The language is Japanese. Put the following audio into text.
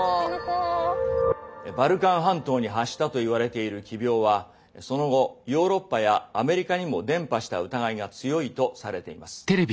バルカン半島に発したといわれている奇病はその後ヨーロッパやアメリカにも伝播した疑いが強いとされています。